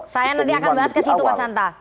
saya nanti akan bahas ke situ mas santa